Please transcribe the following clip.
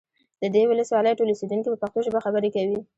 د دې ولسوالۍ ټول اوسیدونکي په پښتو ژبه خبرې کوي